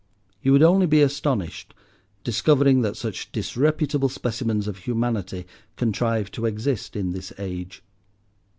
You would only be astonished, discovering that such disreputable specimens of humanity contrive to exist in this age.